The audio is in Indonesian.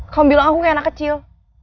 kamu bilang aku kayak anak kecil